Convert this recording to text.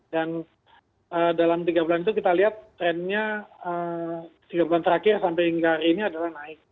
dan dalam tiga bulan itu kita lihat trendnya tiga bulan terakhir sampai hingga ini adalah naik